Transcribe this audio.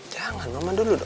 jangan mama dulu dong